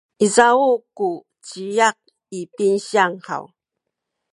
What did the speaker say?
izaw ku ciyak i pinsiyang haw?